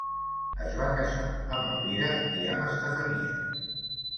Es va casar amb Elvira i amb Estefania.